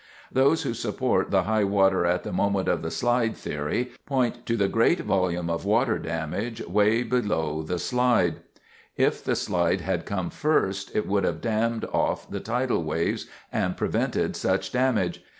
Those who support the high water at the moment of the slide theory point to the great volume of water damage way below the slide. If the slide had come first, it would have dammed off the tidal waves, and prevented such damage.